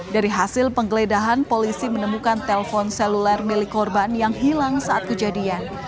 dari hasil penggeledahan polisi menemukan telpon seluler milik korban yang hilang saat kejadian